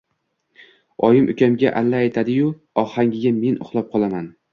Oyim ukamga alla aytadi-yu, ohangiga men uxlab qolaman...